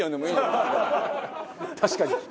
確かに。